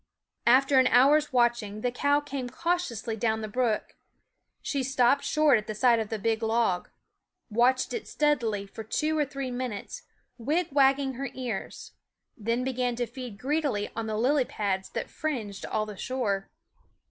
After an hour's watching, the cow came cau tiously down the brook. She stopped short at sight of the big log ; watched it steadily |' for two or three minutes, wigwagging her I ears ; then began to feed greedily on the lily pads that fringed all the shore.